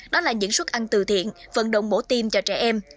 đó là những suất ăn từ thiện vận động bổ tiêm cho trẻ em